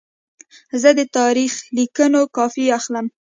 زه د تاریخي لیکونو کاپي اخلم.